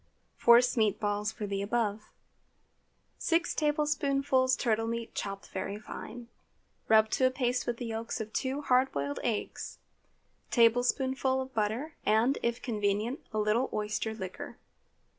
Force meat balls for the above. Six tablespoonfuls turtle meat chopped very fine. Rub to a paste with the yolks of two hard boiled eggs; tablespoonful of butter, and, if convenient, a little oyster liquor.